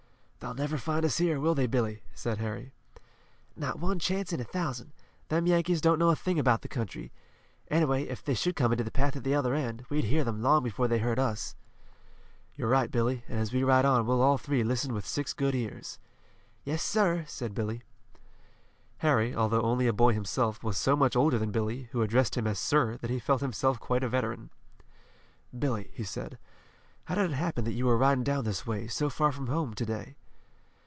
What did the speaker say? "They'll never find us here, will they, Billy?" said Harry. "Not one chance in a thousand. Them Yankees don't know a thing about the country. Anyway, if they should come into the path at the other end, we'd hear them long before they heard us." "You're right, Billy, and as we ride on we'll all three listen with six good ears." "Yes, sir," said Billy. Harry, although only a boy himself, was so much older than Billy, who addressed him as "sir," that he felt himself quite a veteran. "Billy," he said, "how did it happen that you were riding down this way, so far from home, to day?"